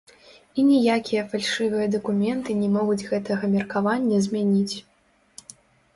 І ніякія фальшывыя дакументы не могуць гэтага меркавання змяніць.